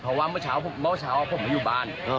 เพราะว่าเมื่อเช้าผมมาอยู่บ้าน